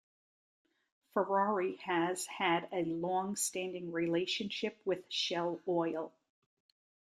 Ferrari has had a long-standing relationship with Shell Oil.